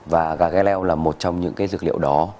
và cà gai leo là một trong những dược liệu đó